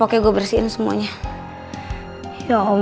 kutuhin mulut anda di sana